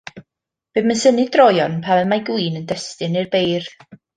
Bum yn synnu droeon pam y mae gwin yn destun i'r beirdd.